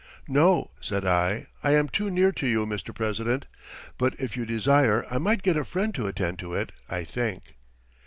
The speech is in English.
"No," said I, "I am too near to you, Mr. President; but if you desire I might get a friend to attend to it, I think."